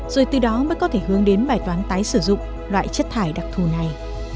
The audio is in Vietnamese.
rồi từ đó mới có thể hướng đến bài toán tái sử dụng loại chất thải đặc thù này